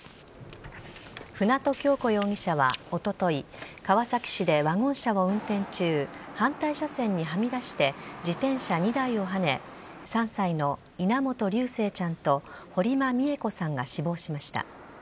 舟渡今日子容疑者はおととい、川崎市でワゴン車を運転中、反対車線にはみ出して、自転車２台をはね、３歳の稲本琉正ちゃんと堀間美恵子さんが死亡しました。